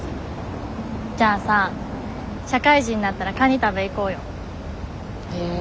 じゃあさ社会人になったらカニ食べ行こうよ。え。